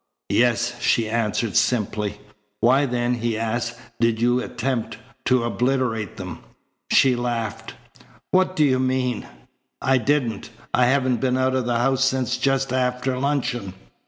"Yes," she answered simply. "Why then," he asked, "did you attempt to obliterate them?" She laughed. "What do you mean? I didn't. I haven't been out of the house since just after luncheon."